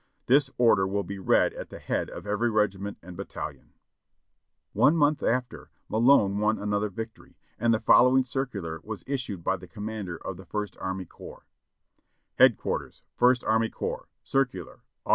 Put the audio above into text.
"This order will be read at the head of every regiment and bat talion." (Ibid, Vol. 40, p. 468.) One month after, ]\Iahone won another victory, and the fol lowing circular was issued by the commander of the First Army Corps : "Headquarters ist Army Corps, "Circular: Aug.